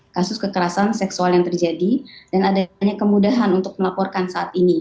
kasus kekerasan seksual yang terjadi dan adanya kemudahan untuk melaporkan saat ini